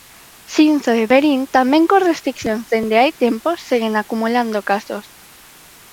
Xinzo e Verín tamén con restricións dende hai tempo seguen acumulando casos.